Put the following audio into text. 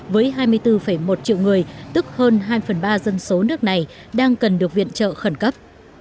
với hai mươi bốn một triệu người tức hơn hai phần ba dân số nước này đang cần được viện trợ khẩn cấp